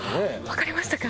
わかりましたか？